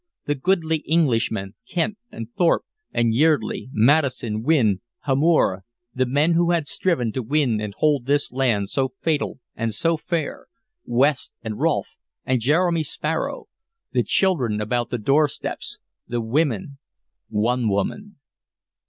the goodly Englishmen, Kent and Thorpe and Yeardley, Maddison, Wynne, Hamor, the men who had striven to win and hold this land so fatal and so fair, West and Rolfe and Jeremy Sparrow... the children about the doorsteps, the women... one woman...